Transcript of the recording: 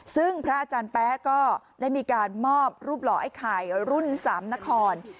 ซึ่งพระอาจารย์แป๊ะก็ได้มีการมอบรูปหล่อไอ้ไข่รุ่นสามนคร